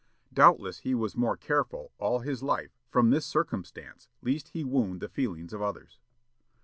Doubtless he was more careful, all his life, from this circumstance, lest he wound the feelings of others.